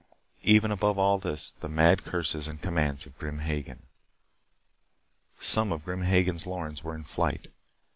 And even above this, the mad curses and commands of Grim Hagen! Some of Grim Hagen's Lorens were in flight.